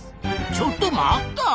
ちょっと待った！